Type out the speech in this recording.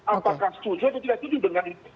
apakah setuju atau tidak setuju dengan itu